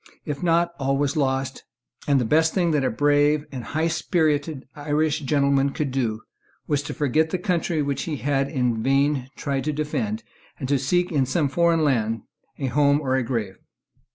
If not, all was lost; and the best thing that a brave and high spirited Irish gentleman could do was to forget the country which he had in vain tried to defend, and to seek in some foreign land a home or a grave.